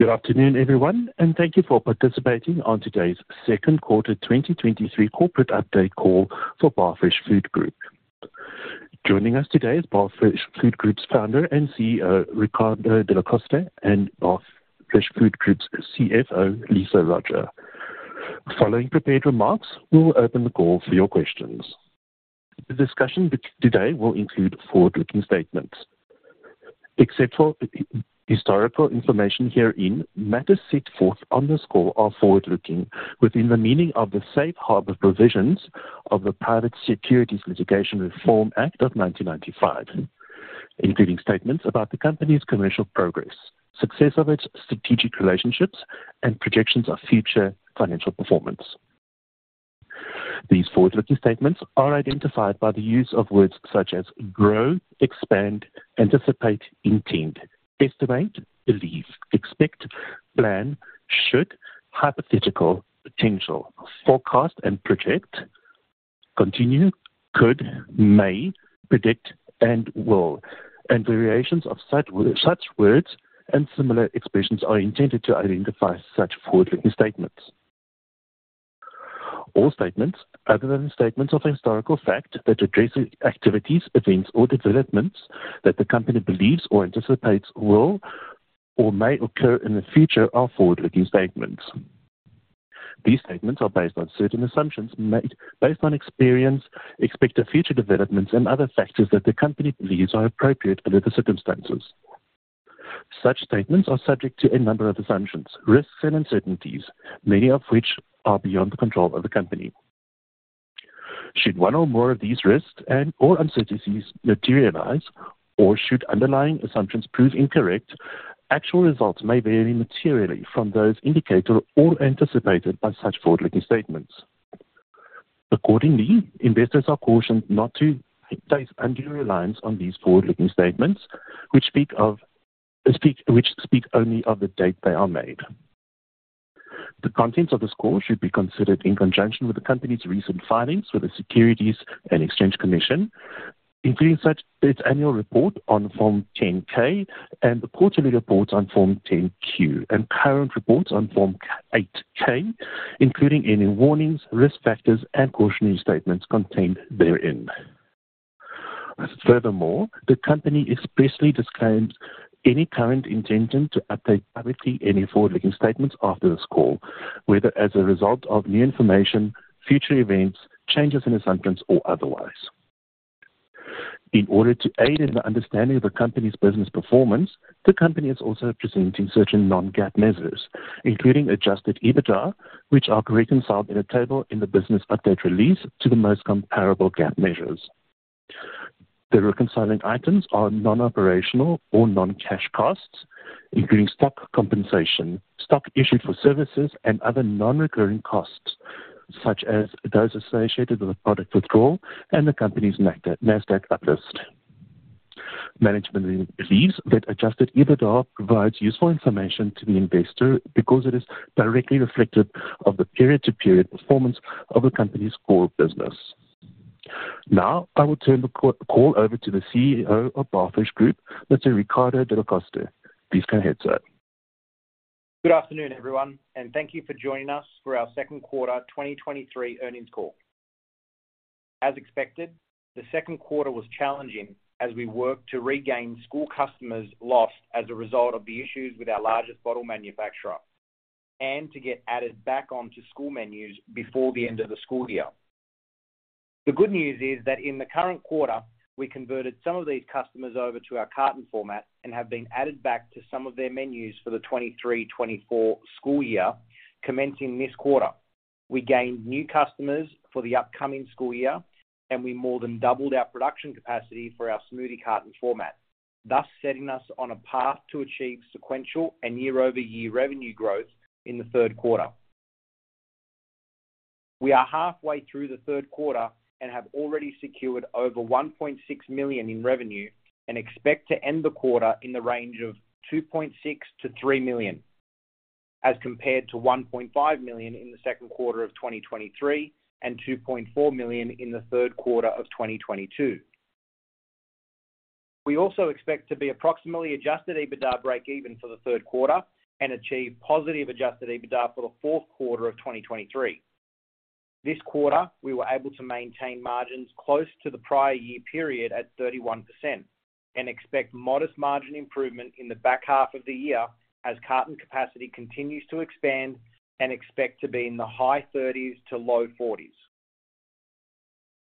Good afternoon, everyone, thank you for participating on today's second quarter 2023 corporate update call for Barfresh Food Group. Joining us today is Barfresh Food Group's Founder and CEO, Ricardo Delle Coste, and Barfresh Food Group's CFO, Lisa Roger. Following prepared remarks, we'll open the call for your questions. The discussion today will include forward-looking statements. Except for historical information herein, matters set forth on this call are forward-looking within the meaning of the Safe Harbor Provisions of the Private Securities Litigation Reform Act of 1995, including statements about the company's commercial progress, success of its strategic relationships, and projections of future financial performance. These forward-looking statements are identified by the use of words such as grow, expand, anticipate, intend, estimate, believe, expect, plan, should, hypothetical, potential, forecast and project, continue, could, may, predict and will, and variations of such words and similar expressions are intended to identify such forward-looking statements. All statements other than statements of historical fact that address activities, events, or developments that the company believes or anticipates will or may occur in the future are forward-looking statements. These statements are based on certain assumptions made based on experience, expected future developments, and other factors that the company believes are appropriate under the circumstances. Such statements are subject to a number of assumptions, risks, and uncertainties, many of which are beyond the control of the company. Should one or more of these risks and or uncertainties materialize, or should underlying assumptions prove incorrect, actual results may vary materially from those indicated or anticipated by such forward-looking statements. Accordingly, investors are cautioned not to place undue reliance on these forward-looking statements, which speak only of the date they are made. The contents of this call should be considered in conjunction with the company's recent filings with the Securities and Exchange Commission, including such its annual report on Form 10-K and the quarterly reports on Form 10-Q, and current reports on Form 8-K, including any warnings, risk factors, and cautionary statements contained therein. Furthermore, the company expressly disclaims any current intention to update publicly any forward-looking statements after this call, whether as a result of new information, future events, changes in assumptions, or otherwise. In order to aid in the understanding of the company's business performance, the company is also presenting certain non-GAAP measures, including Adjusted EBITDA, which are reconciled in a table in the business update release to the most comparable GAAP measures. The reconciling items are non-operational or non-cash costs, including stock compensation, stock issued for services, and other non-recurring costs, such as those associated with the product withdrawal and the company's NASDAQ uplist. Management believes that Adjusted EBITDA provides useful information to the investor because it is directly reflective of the period-to-period performance of the company's core business. Now, I will turn the call over to the CEO of Barfresh Group, Mr. Ricardo Delle Coste. Please go ahead, sir. Good afternoon, everyone, thank you for joining us for our second quarter 2023 earnings call. As expected, the second quarter was challenging as we worked to regain school customers lost as a result of the issues with our largest bottle manufacturer, and to get added back onto school menus before the end of the school year. The good news is that in the current quarter, we converted some of these customers over to our carton format and have been added back to some of their menus for the 23-24 school year commencing this quarter. We gained new customers for the upcoming school year, and we more than doubled our production capacity for our smoothie carton format, thus setting us on a path to achieve sequential and year-over-year revenue growth in the third quarter. We are halfway through the third quarter and have already secured over $1.6 million in revenue and expect to end the quarter in the range of $2.6 million-$3 million, as compared to $1.5 million in the second quarter of 2023 and $2.4 million in the third quarter of 2022. We also expect to be approximately Adjusted EBITDA break even for the third quarter and achieve positive Adjusted EBITDA for the fourth quarter of 2023. This quarter, we were able to maintain margins close to the prior year period at 31% and expect modest margin improvement in the back half of the year as carton capacity continues to expand and expect to be in the high 30%-low 40%.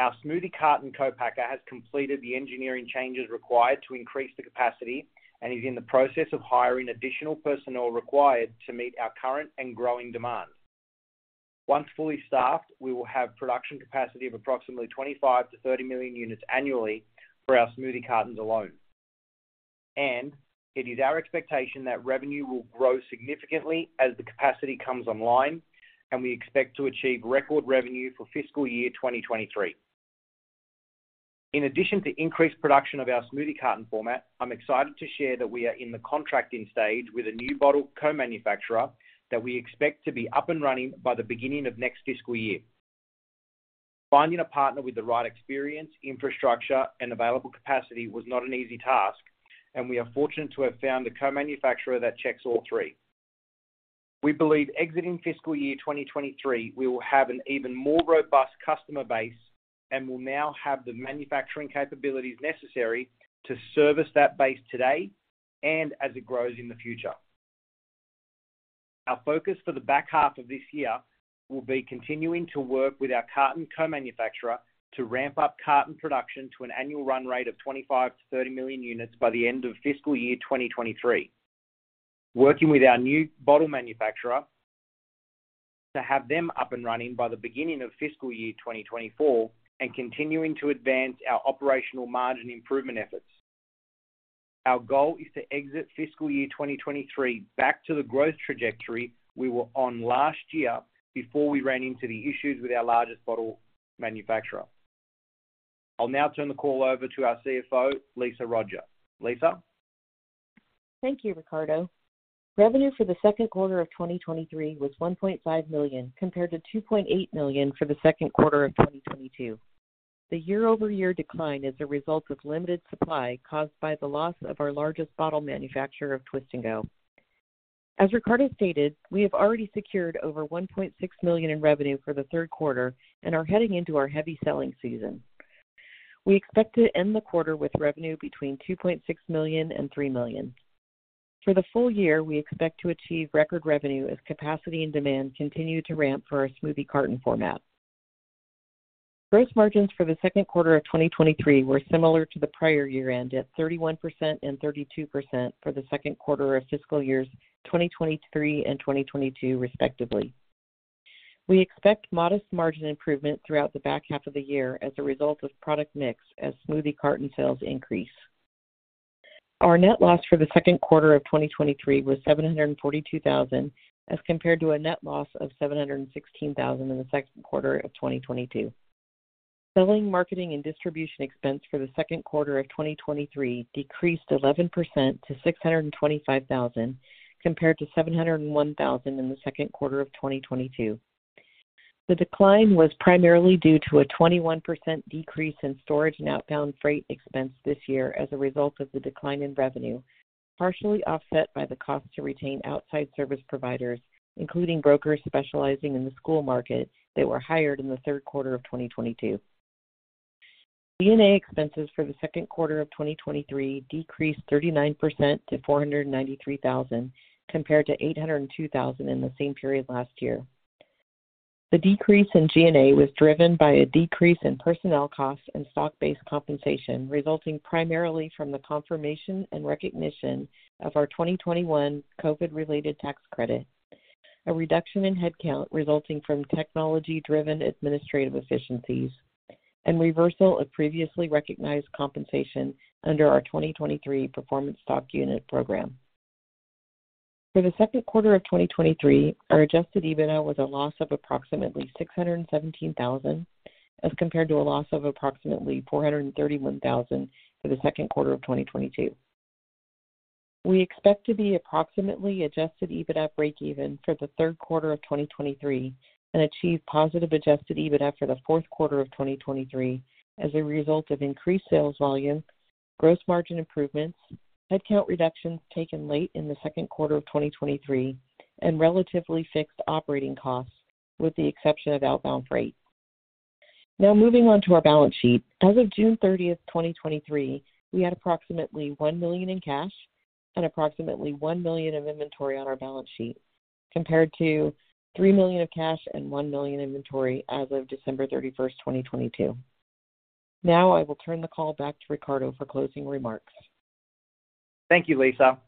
Our smoothie carton co-packer has completed the engineering changes required to increase the capacity and is in the process of hiring additional personnel required to meet our current and growing demand. Once fully staffed, we will have production capacity of approximately 25 million to 30 million units annually for our smoothie cartons alone. It is our expectation that revenue will grow significantly as the capacity comes online, and we expect to achieve record revenue for fiscal year 2023. In addition to increased production of our smoothie carton format, I'm excited to share that we are in the contracting stage with a new bottle co-manufacturer that we expect to be up and running by the beginning of next fiscal year. Finding a partner with the right experience, infrastructure, and available capacity was not an easy task, and we are fortunate to have found a co-manufacturer that checks all three. We believe exiting fiscal year 2023, we will have an even more robust customer base and will now have the manufacturing capabilities necessary to service that base today and as it grows in the future. Our focus for the back half of this year will be continuing to work with our carton co-manufacturer to ramp up carton production to an annual run rate of 25 million-30 million units by the end of fiscal year 2023. Working with our new bottle manufacturer to have them up and running by the beginning of fiscal year 2024, and continuing to advance our operational margin improvement efforts. Our goal is to exit fiscal year 2023 back to the growth trajectory we were on last year before we ran into the issues with our largest bottle manufacturer. I'll now turn the call over to our CFO, Lisa Roger. Lisa? Thank you, Ricardo. Revenue for the second quarter of 2023 was $1.5 million, compared to $2.8 million for the second quarter of 2022. The year-over-year decline is a result of limited supply caused by the loss of our largest bottle manufacturer of Twist & Go. As Ricardo stated, we have already secured over $1.6 million in revenue for the third quarter and are heading into our heavy selling season. We expect to end the quarter with revenue between $2.6 million and $3 million. For the full year, we expect to achieve record revenue as capacity and demand continue to ramp for our smoothie carton format. Gross margins for the second quarter of 2023 were similar to the prior year, end at 31% and 32% for the second quarter of fiscal years 2023 and 2022, respectively. We expect modest margin improvement throughout the back half of the year as a result of product mix as smoothie carton sales increase. Our net loss for the second quarter of 2023 was $742,000, as compared to a net loss of $716,000 in the second quarter of 2022. Selling, marketing, and distribution expense for the second quarter of 2023 decreased 11% to $625,000, compared to $701,000 in the second quarter of 2022. The decline was primarily due to a 21% decrease in storage and outbound freight expense this year as a result of the decline in revenue, partially offset by the cost to retain outside service providers, including brokers specializing in the school market that were hired in the third quarter of 2022. G&A expenses for the second quarter of 2023 decreased 39% to $493,000, compared to $802,000 in the same period last year. The decrease in G&A was driven by a decrease in personnel costs and stock-based compensation, resulting primarily from the confirmation and recognition of our 2021 COVID-related tax credit. A reduction in headcount resulting from technology-driven administrative efficiencies and reversal of previously recognized compensation under our 2023 performance stock unit program. For the second quarter of 2023, our Adjusted EBITDA was a loss of approximately $617,000, as compared to a loss of approximately $431,000 for the second quarter of 2022. We expect to be approximately Adjusted EBITDA breakeven for the third quarter of 2023 and achieve positive Adjusted EBITDA for the fourth quarter of 2023 as a result of increased sales volume, gross margin improvements, headcount reductions taken late in the second quarter of 2023, and relatively fixed operating costs, with the exception of outbound freight. Moving on to our balance sheet. As of June 30th, 2023, we had approximately $1 million in cash and approximately $1 million of inventory on our balance sheet, compared to $3 million of cash and $1 million inventory as of December 31st, 2022. I will turn the call back to Ricardo for closing remarks. Thank you, Lisa.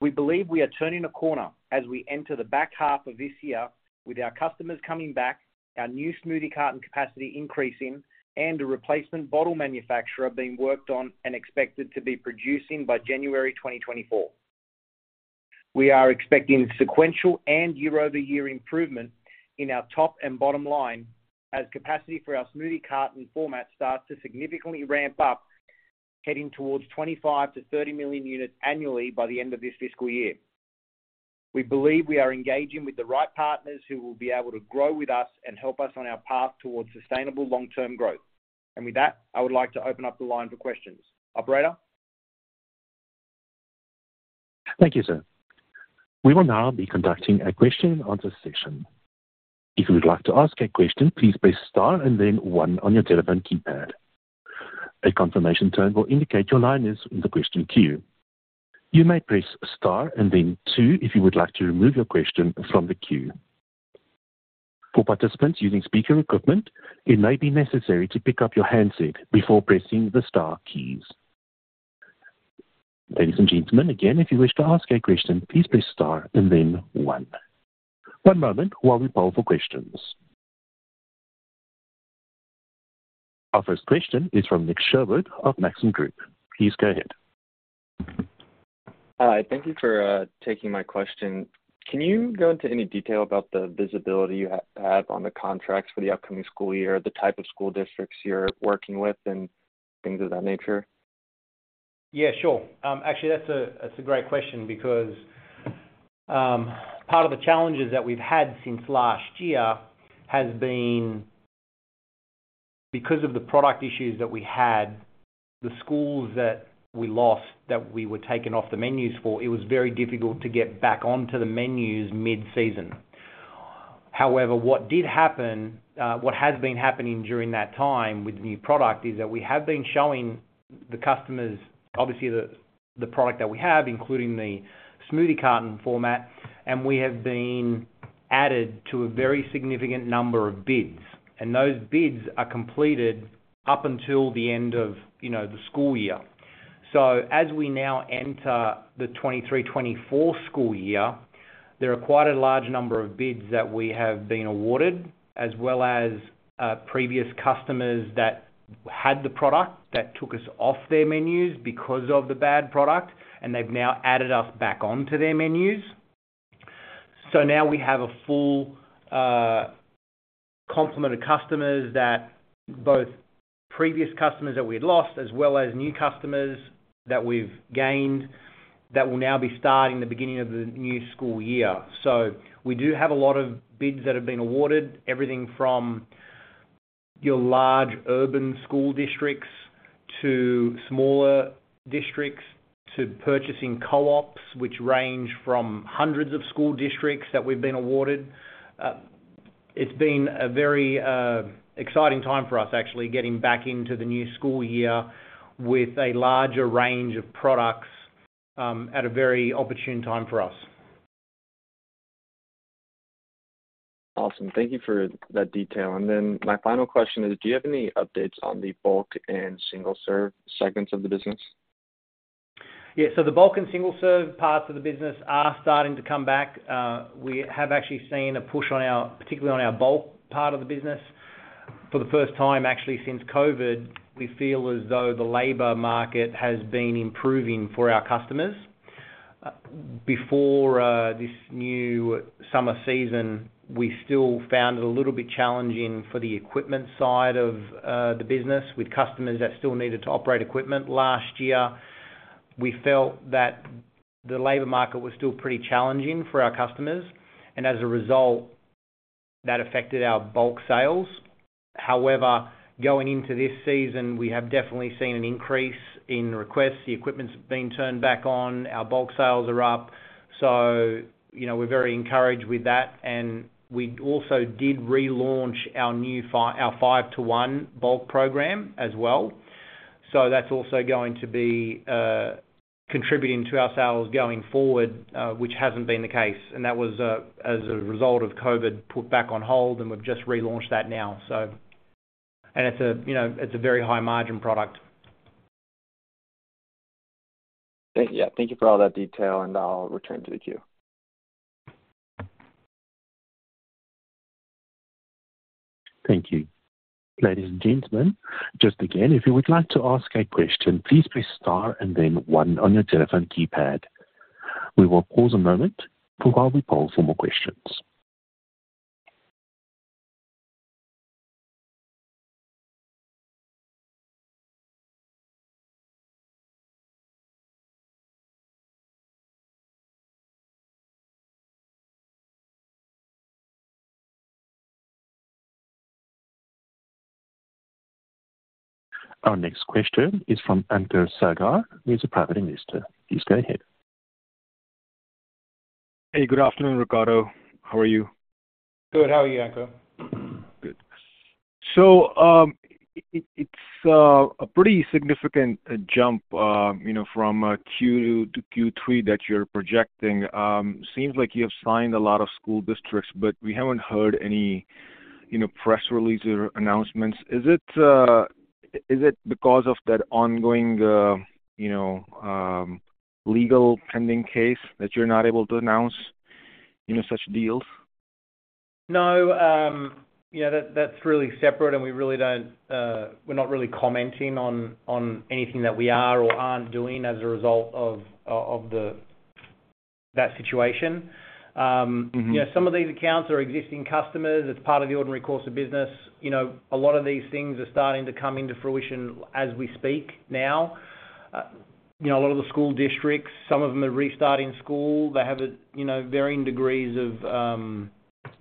We believe we are turning a corner as we enter the back half of this year with our customers coming back, our new smoothie carton capacity increasing, and a replacement bottle manufacturer being worked on and expected to be producing by January 2024. We are expecting sequential and year-over-year improvement in our top and bottom line as capacity for our smoothie carton format starts to significantly ramp up, heading towards 25-30 million units annually by the end of this fiscal year. We believe we are engaging with the right partners who will be able to grow with us and help us on our path towards sustainable long-term growth. With that, I would like to open up the line for questions. Operator? Thank you, sir. We will now be conducting a question and answer session. If you would like to ask a question, please press Star and then 1 on your telephone keypad. A confirmation tone will indicate your line is in the question queue. You may press Star and then 2 if you would like to remove your question from the queue. For participants using speaker equipment, it may be necessary to pick up your handset before pressing the star keys. Ladies and gentlemen, again, if you wish to ask a question, please press Star and then 1. One moment while we poll for questions. Our first question is from Nick Sherwood of Maxim Group. Please go ahead. Hi, thank you for taking my question. Can you go into any detail about the visibility you have on the contracts for the upcoming school year, the type of school districts you're working with, and things of that nature? Yeah, sure. actually, that's a, that's a great question because, part of the challenges that we've had since last year has been because of the product issues that we had, the schools that we lost, that we were taken off the menus for, it was very difficult to get back onto the menus mid-season. However, what did happen, what has been happening during that time with the new product is that we have been showing the customers, obviously, the, the product that we have, including the smoothie carton format, and we have been added to a very significant number of bids, and those bids are completed up until the end of, you know, the school year. As we now enter the 2023-2024 school year, there are quite a large number of bids that we have been awarded, as well as previous customers that had the product that took us off their menus because of the bad product, and they've now added us back on to their menus. Now we have a full complement of customers that both previous customers that we had lost, as well as new customers that we've gained, that will now be starting the beginning of the new school year. We do have a lot of bids that have been awarded, everything from your large urban school districts to smaller districts, to purchasing co-ops, which range from hundreds of school districts that we've been awarded. It's been a very exciting time for us, actually, getting back into the new school year with a larger range of products, at a very opportune time for us. Awesome. Thank you for that detail. My final question is, do you have any updates on the bulk and single-serve segments of the business? Yeah. The bulk and single-serve parts of the business are starting to come back. We have actually seen a push on our, particularly on our bulk part of the business. For the first time, actually, since COVID, we feel as though the labor market has been improving for our customers. Before this new summer season, we still found it a little bit challenging for the equipment side of the business with customers that still needed to operate equipment. Last year, we felt that the labor market was still pretty challenging for our customers, and as a result, that affected our bulk sales. However, going into this season, we have definitely seen an increase in requests. The equipment's been turned back on, our bulk sales are up, so, you know, we're very encouraged with that. We also did relaunch our five-to-one bulk program as well. That's also going to be contributing to our sales going forward, which hasn't been the case, and that was as a result of COVID, put back on hold, and we've just relaunched that now. It's a, you know, it's a very high-margin product. Thank, yeah, thank you for all that detail, and I'll return to the queue. Thank you. Ladies and gentlemen, just again, if you would like to ask a question, please press Star and then one on your telephone keypad. We will pause a moment while we poll for more questions. Our next question is from Ankur Sagar, who is a private investor. Please go ahead. Hey, good afternoon, Ricardo. How are you? Good. How are you, Ankur? Good. It's a pretty significant jump, you know, from Q2 to Q3 that you're projecting. Seems like you have signed a lot of school districts, but we haven't heard any, you know, press releases or announcements. Is it because of that ongoing, you know, legal pending case that you're not able to announce, you know, such deals? No, yeah, that, that's really separate, and we really don't, we're not really commenting on, on anything that we are or aren't doing as a result of that situation. You know, some of these accounts are existing customers. It's part of the ordinary course of business. You know, a lot of these things are starting to come into fruition as we speak now. You know, a lot of the school districts, some of them are restarting school. They have a, you know, varying degrees of...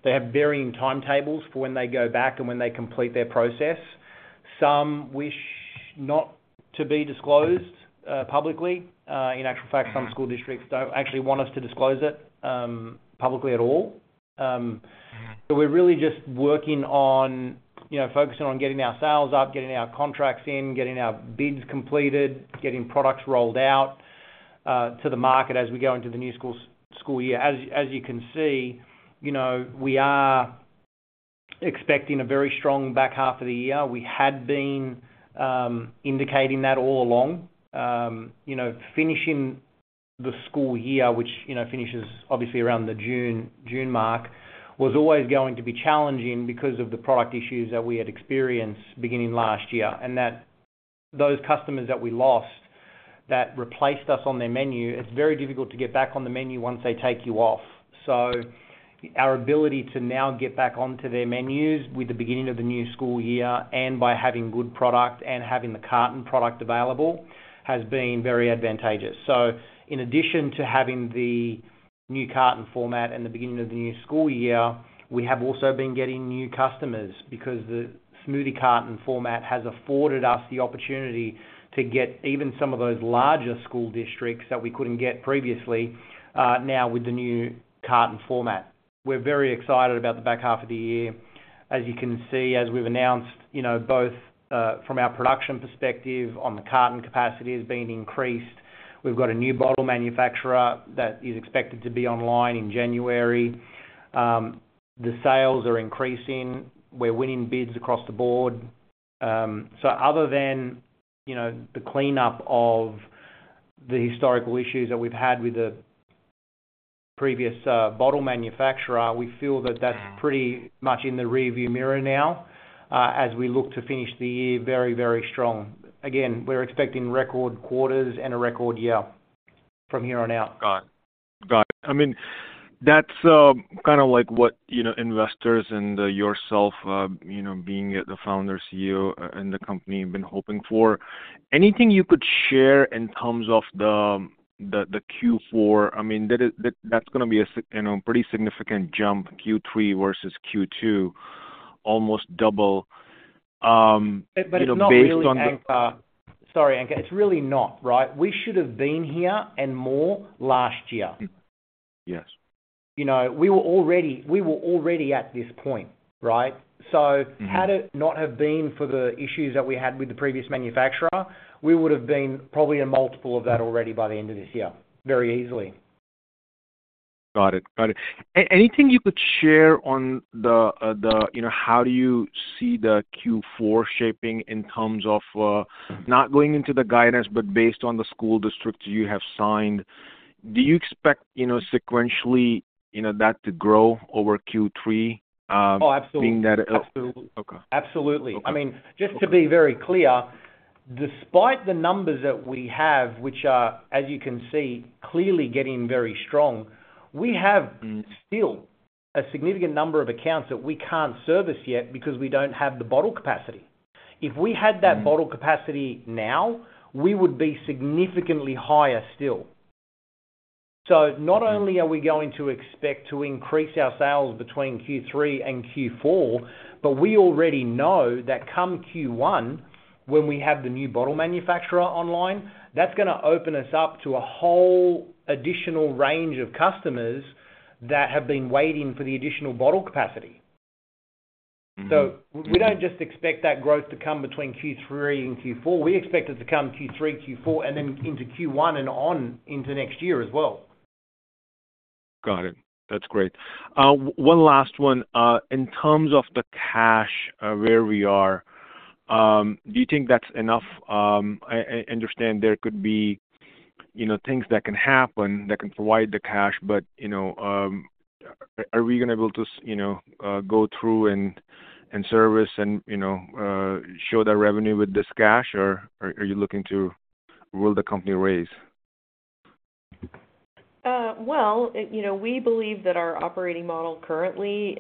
They have varying timetables for when they go back and when they complete their process. Some wish not to be disclosed publicly. In actual fact, some school districts don't actually want us to disclose it publicly at all. We're really just working on, you know, focusing on getting our sales up, getting our contracts in, getting our bids completed, getting products rolled out to the market as we go into the new school year. As, as you can see, you know, we are expecting a very strong back half of the year. We had been indicating that all along. You know, finishing the school year, which, you know, finishes obviously around the June, June mark, was always going to be challenging because of the product issues that we had experienced beginning last year, and that those customers that we lost that replaced us on their menu, it's very difficult to get back on the menu once they take you off. Our ability to now get back onto their menus with the beginning of the new school year and by having good product and having the carton product available, has been very advantageous. In addition to having the new carton format and the beginning of the new school year, we have also been getting new customers because the smoothie carton format has afforded us the opportunity to get even some of those larger school districts that we couldn't get previously, now with the new carton format. We're very excited about the back half of the year. As you can see, as we've announced, you know, both, from our production perspective on the carton capacity is being increased. We've got a new bottle manufacturer that is expected to be online in January. The sales are increasing. We're winning bids across the board. Other than, you know, the cleanup of the historical issues that we've had with the previous bottle manufacturer, we feel that that's pretty much in the rearview mirror now, as we look to finish the year very, very strong. Again, we're expecting record quarters and a record year from here on out. Got it. Got it. I mean, that's, kinda like what, you know, investors and yourself, you know, being the founder, CEO, and the company have been hoping for. Anything you could share in terms of the, the, the Q4? I mean, that, that's gonna be a significant, you know, pretty significant jump, Q3 versus Q2, almost double, you know, based on the. It's not really, Ankur. Sorry, Ankur, it's really not, right? We should have been here and more last year. Yes. You know, we were already, we were already at this point, right? Mm-hmm. Had it not have been for the issues that we had with the previous manufacturer, we would have been probably a multiple of that already by the end of this year, very easily. Got it. Got it. Anything you could share on the, the, you know, how do you see the Q4 shaping in terms of, not going into the guidance, but based on the school districts you have signed, do you expect, you know, sequentially, you know, that to grow over Q3? Oh, absolutely. Being that. Absolutely. Okay. Absolutely. Okay. I mean, just to be very clear, despite the numbers that we have, which are, as you can see, clearly getting very strong. still a significant number of accounts that we can't service yet because we don't have the bottle capacity. If we had that- Mm bottle capacity now, we would be significantly higher still. Not only are we going to expect to increase our sales between Q3 and Q4, but we already know that come Q1, when we have the new bottle manufacturer online, that's gonna open us up to a whole additional range of customers that have been waiting for the additional bottle capacity. We don't just expect that growth to come between Q3 and Q4. We expect it to come Q3, Q4, and then into Q1 and on into next year as well. Got it. That's great. One last one. In terms of the cash, where we are, do you think that's enough? I, I understand there could be, you know, things that can happen that can provide the cash, but, you know, are, are we gonna be able to, you know, go through and, and service and, you know, show the revenue with this cash, or, or are you looking to... Will the company raise? Well, it, you know, we believe that our operating model currently,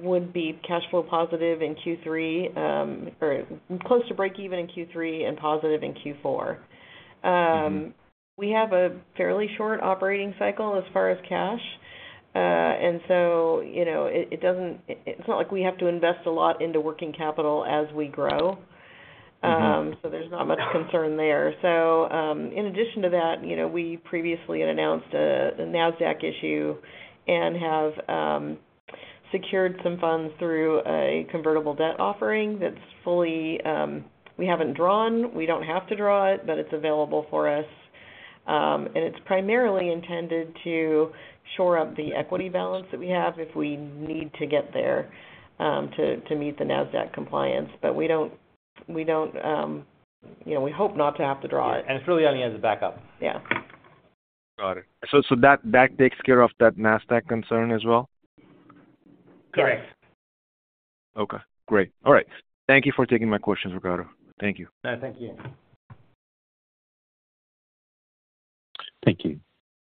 would be cash flow positive in Q3, or close to breakeven in Q3 and positive in Q4. We have a fairly short operating cycle as far as cash. So, you know, It's not like we have to invest a lot into working capital as we grow. There's not much concern there. In addition to that, you know, we previously had announced the NASDAQ issue and have secured some funds through a convertible debt offering that's fully, we haven't drawn, we don't have to draw it, but it's available for us. And it's primarily intended to shore up the equity balance that we have, if we need to get there, to, to meet the NASDAQ compliance. We don't, we don't, you know, we hope not to have to draw it. Yeah. It's really only as a backup. Yeah. Got it. that takes care of that NASDAQ concern as well? Correct. Okay, great. All right. Thank you for taking my questions, Ricardo. Thank you. Yeah, thank you. Thank you.